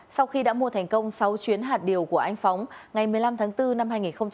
sau khi đã mua thành công sáu chuyến hạt điều của anh phóng ngày một mươi năm tháng bốn năm hai nghìn hai mươi